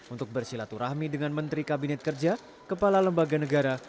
untuk bersilaturahmi dengan menteri kabinet kerja kepala lembaga negara